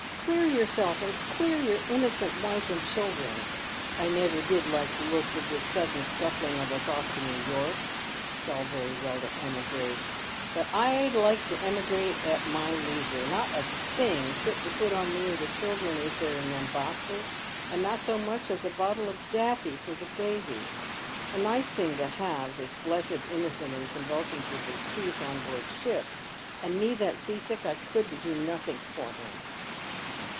" Clear yourself, and clear your innocent wife and children. I never did like the looks of this sudden scuffling of us off to New York. It's all very well to emigrant, but I hke to emigrant at my leisure. Not a thing fit to put on me or tlie children is there in them boxes, and not so much as a bottle of Daffy for baby. A nice thing to have this blessed innocent in convulsions with his teeth on board ship, and me that seasick I couldn't do nothink for him."